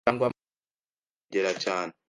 cyangwa amazi akayegera cyane